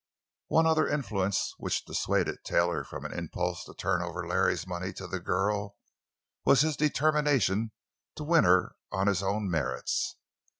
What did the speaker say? One other influence which dissuaded Taylor from an impulse to turn over Larry's money to the girl was his determination to win her on his own merits.